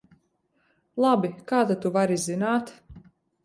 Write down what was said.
Labi, kā tad tu vari zināt?